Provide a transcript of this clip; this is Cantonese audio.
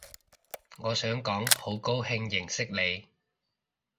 我想講好高興認識你